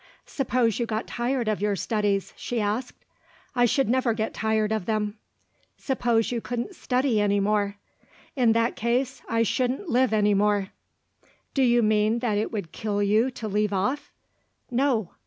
"Suppose you got tired of your studies?" she asked. "I should never get tired of them." "Suppose you couldn't study any more?" "In that case I shouldn't live any more." "Do you mean that it would kill you to leave off?" "No."